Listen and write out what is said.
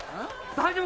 大丈夫。